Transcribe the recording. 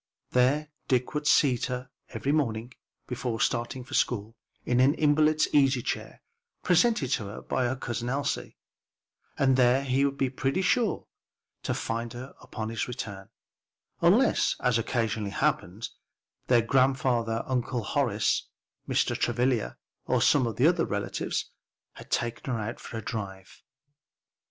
There Dick would seat her each morning, before starting for school, in an invalid's easy chair presented to her by her Cousin Elsie, and there he would be pretty sure to find her on his return, unless, as occasionally happened, their grandfather, Uncle Horace, Mr. Travilla, or some one of the relatives, had taken her out for a drive.